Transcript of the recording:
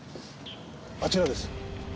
あちらです。